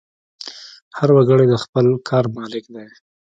هر وګړی د خپل کار مالک دی.